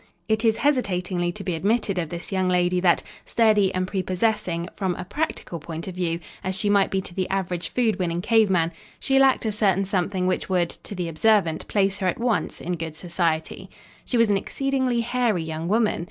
It is hesitatingly to be admitted of this young lady that, sturdy and prepossessing, from a practical point of view, as she might be to the average food winning cave man, she lacked a certain something which would, to the observant, place her at once in good society. She was an exceedingly hairy young woman.